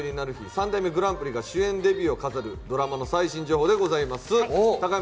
３代目グランプリが主演を飾るドラマの最新情報でございます。